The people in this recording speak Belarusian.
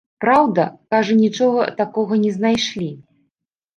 Праўда, кажа нічога не такога знайшлі.